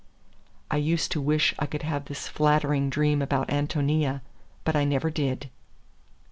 I used to wish I could have this flattering dream about Ántonia, but I never did.